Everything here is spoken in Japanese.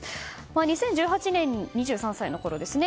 ２０１８年、２３歳のころですね。